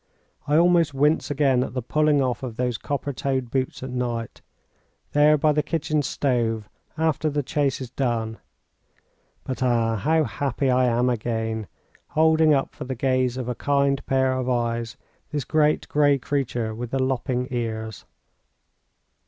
I almost wince again at the pulling off of those copper toed boots at night, there by the kitchen stove, after the chase is done. But, ah! how happy I am again, holding up for the gaze of a kind pair of eyes this great, gray creature with the lopping ears.